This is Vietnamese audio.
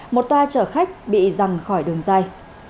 một toa chở khách bị răng khỏi đường dài